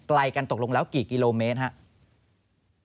ไกลกันตกลงแล้วกี่กิโลเมตรครับ